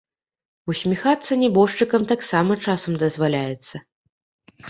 Усміхацца нябожчыкам таксама часам дазваляецца.